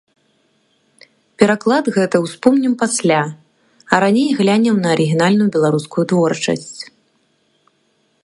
Пераклад гэты ўспомнім пасля, а раней глянем на арыгінальную беларускую творчасць.